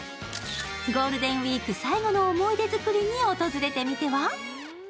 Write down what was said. ゴールデンウイーク最後の思い出作りに訪れてみては？